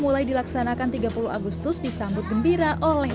mulai dilaksanakan tiga puluh agustus disambut gembira oleh